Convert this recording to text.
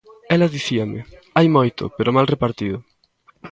Ela dicíame: Hai moito, pero mal repartido.